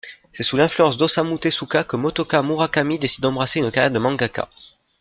C'est sous l'influence d'Osamu Tezuka que Motoka Murakami décide d'embrasser une carrière de mangaka.